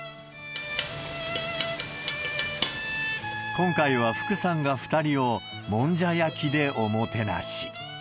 今回は福さんが２人をもんじゃ焼きでおもてなし。